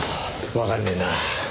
わかんねえな。